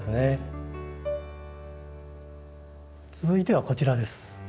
続いてはこちらです。